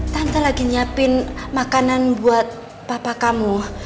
tante lagi nyiapin makanan buat papa kamu